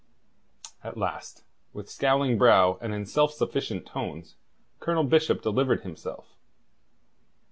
At last, with scowling brow and in self sufficient tones, Colonel Bishop delivered himself.